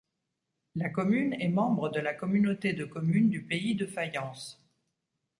La commune est membre de la Communauté de communes du Pays de Fayence.